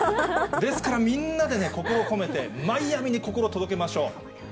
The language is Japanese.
ですからみんなでね、心を込めて、マイアミに心を届けましょう。